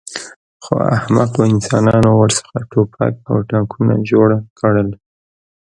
خو احمقو انسانانو ورڅخه ټوپک او ټانکونه جوړ کړل